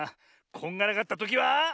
こんがらがったときは。